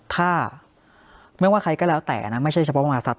ถ้าไม่ว่าใครก็แล้วแต่นะไม่ใช่เฉพาะมหาศัตว